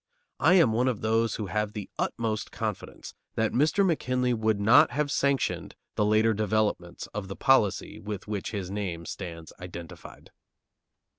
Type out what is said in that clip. I am one of those who have the utmost confidence that Mr. McKinley would not have sanctioned the later developments of the policy with which his name stands identified.